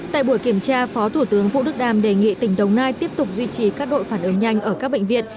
tại buổi kiểm tra phó thủ tướng vũ đức đam đề nghị tỉnh đồng nai tiếp tục duy trì các đội phản ứng nhanh ở các bệnh viện